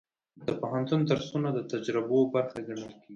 د پوهنتون درسونه د تجربو برخه ګڼل کېږي.